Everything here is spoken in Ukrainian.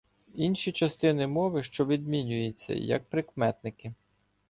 Інші частини мови, що відмінюються, як прикметники